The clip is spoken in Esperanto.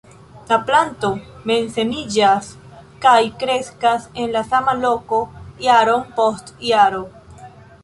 La planto mem-semiĝas, kaj kreskas en la sama loko jaron post jaro.